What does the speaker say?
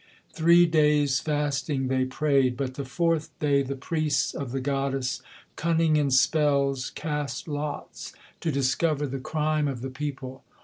Three days fasting they prayed; but the fourth day the priests of the goddess, Cunning in spells, cast lots, to discover the crime of the people.